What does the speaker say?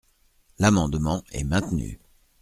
L’amendement est maintenu.